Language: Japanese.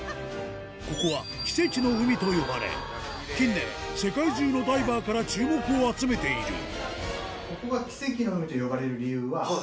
ここは「奇跡の海」と呼ばれ近年世界中のダイバーから注目を集めているえぇ！